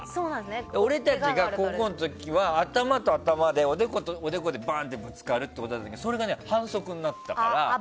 俺たちが高校の時は頭と頭で、おでことおでこでバーンとぶつかってたけどそれが反則になったから。